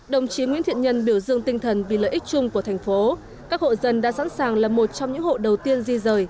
đồng chí nguyễn thiện nhân biểu dương tinh thần vì lợi ích chung của thành phố các hộ dân đã sẵn sàng là một trong những hộ đầu tiên di rời